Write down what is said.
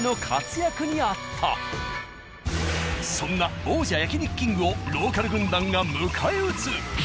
そんな王者「焼肉きんぐ」をローカル軍団が迎え撃つ。